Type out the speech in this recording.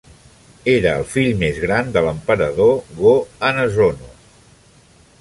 Era el fill més gran de l'emperador Go-Hanazono.